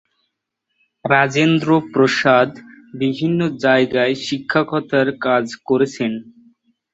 রাজেন্দ্র প্রসাদ বিভিন্ন জায়গায় শিক্ষকতার কাজ করেছেন।